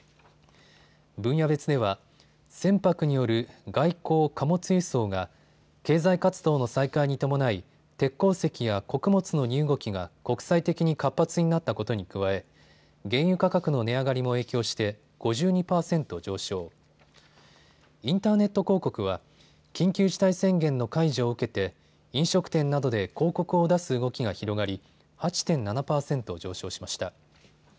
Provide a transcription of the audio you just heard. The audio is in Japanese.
分野別では船舶による外航貨物輸送が経済活動の再開に伴い鉄鉱石や穀物の荷動きが国際的に活発になったことに加え原油価格の値上がりも影響して５２％上昇、インターネット広告は緊急事態宣言の解除を受けて飲食店などで広告を出す動きが広がり８．７％上昇しました。